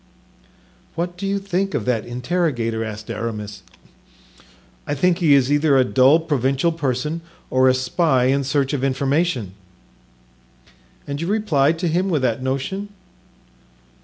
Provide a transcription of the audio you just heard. "What do you think of that interrogator?" asked Aramis. "I think he is either a dull provincial person or a spy in search of information." "And you replied to him with that notion?"